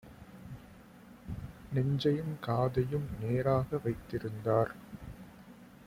நெஞ்சையும் காதையும் நேராக வைத்திருந்தார்: